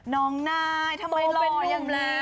น้องนายทำไมหล่อยังนี้